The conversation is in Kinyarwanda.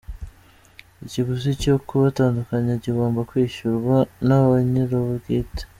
Ikiguzi cyo kubatandukanya kigomba kwishyurwa nab a nyirubwite.